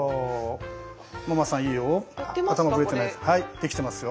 できてますよ。